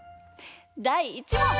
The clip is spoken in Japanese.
だい１もん！